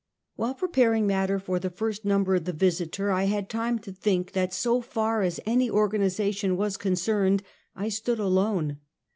While preparing matter for the first number of the Visitor, I had time to think that so far as any organ ization was concerned, I stood alone.